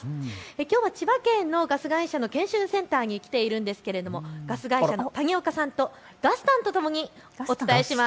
きょうは千葉県のガス会社の研修センターに来ているんですが、ガス会社の谷岡さんと、がすたんとともにお伝えします。